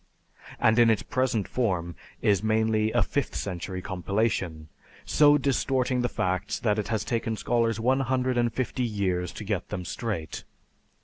and in its present form is mainly a fifth century compilation, so distorting the facts that it has taken scholars one hundred and fifty years to get them straight.